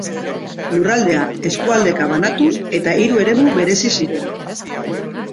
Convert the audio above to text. Lurraldea eskualdeka banatu eta hiru eremu berezi ziren.